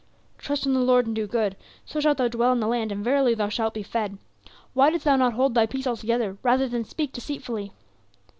"'Trust in the Lord and do good, so shalt thou dwell in the land, and verily thou shalt be fed.' Why didst thou not hold thy peace altogether rather than speak deceitfully?"